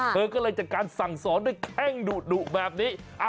เธอก็เลยจัดการสั่งสอนด้วยแข้งดุแบบนี้